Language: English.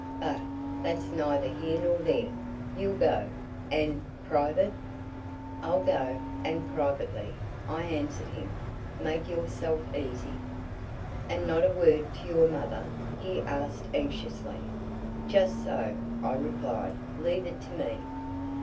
But that's neither here nor there. You'll go? And private?" "I'll go and privately," I answered him. "Make yourself easy." "And not a word to your mother?" he asked anxiously. "Just so," I replied. "Leave it to me."